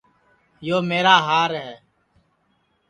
یو میرا ہار ہے